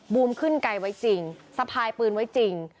มูมขึ้นไกลไว้จริงสะพายปืนไว้จริง